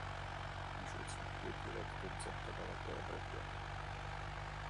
Již od svých pěti let koncertovala po Evropě.